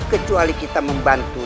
kecuali kita membantunya